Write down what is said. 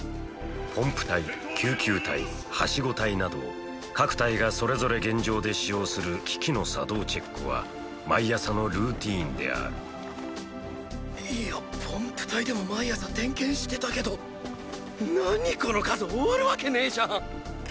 ポンプ隊救急隊はしご隊など各隊がそれぞれ現場で使用する機器の作動チェックは毎朝のルーティンであるイヤポンプ隊でも毎朝点検してたけど何この数。終わるワケねじゃん！